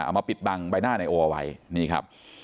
เอามาปิดบังใบหน้านายโอเอาไว้นี่ครับ